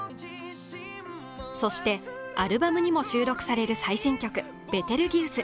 そしてアルバムにも収録される最新曲「ベテルギウス」。